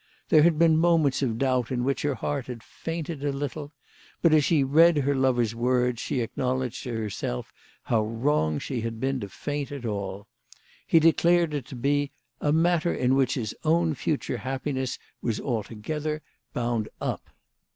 There had been moments of doubt in which her heart had fainted a little ; but as she read her lover's words she acknowledged to herself how wrong she had been to faint at all. He declared it to be " a matter in which his own future happiness was altogether bound up."